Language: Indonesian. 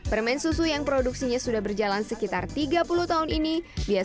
permen susu yang produksinya sudah berjalan sekitar tiga puluh tahun ini